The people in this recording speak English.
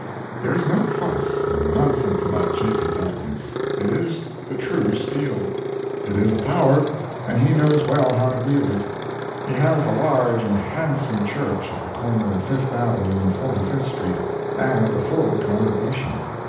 There is no fuss and nonsense about Chapin's eloquence. It is the true steel. It is a power, and he knows well how to wield it. He has a large and handsome church at the corner of Fifth avenue and Forty fifth street, and a full congregation.